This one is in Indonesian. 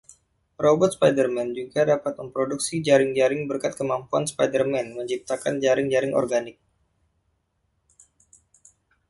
Robot Spider-Man juga dapat memproduksi jaring-jaring berkat kemampuan Spider-Man menciptakan jaring-jaring organik.